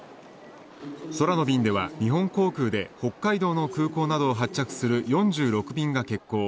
空の便では日本航空で北海道の空港などを発着する４６便が欠航。